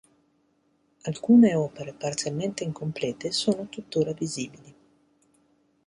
Alcune opere parzialmente incomplete sono tuttora visibili.